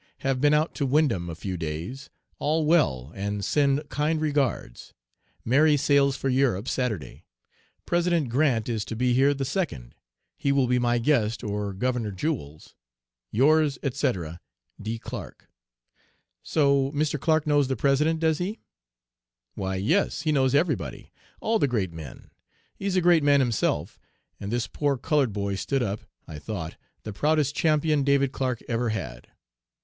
Have been out to Windham a few days. All well, and send kind regards. Mary sails for Europe Saturday. President Grant is to be here the 2d. He will be my guest or Governor Jewell's. "'Yours, etc., "'D. CLARK.' "'So Mr. Clark knows the President, does he?' "'Why, yes; he knows everybody all the great men. He's a great man himself;' and this poor colored boy stood up, I thought, the proudest champion David Clark ever had.